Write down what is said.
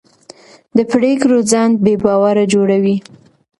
د پرېکړو ځنډ بې باوري جوړوي